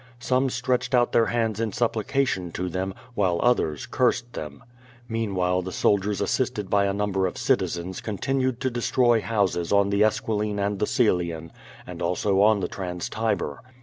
Some stretched out their hands in supplication to them, while others cursed them. Meanwhile the soldiers assisted by a number of citizens continued to destroy houses on the Esquiline and the Coelian, and also on the Trans Tiber.